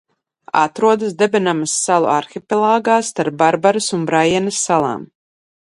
Atrodas Debenema salu arhipelāgā starp Barbaras un Braiena salam.